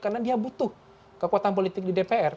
karena dia butuh kekuatan politik di dpr